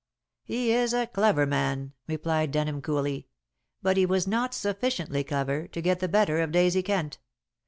"He is a clever man," replied Denham coolly, "but he was not sufficiently clever to get the better of Daisy Kent.